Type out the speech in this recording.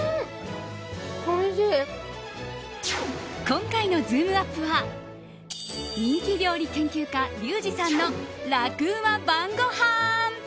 今回のズームＵＰ！は人気料理研究家リュウジさんの楽ウマ晩ごはん。